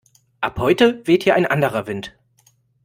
Ab heute weht hier ein anderer Wind!